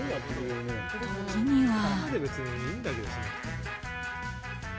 時には。